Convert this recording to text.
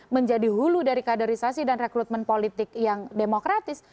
menjadi hulu dari kaderisasi dan rekrutmen politik yang demokratis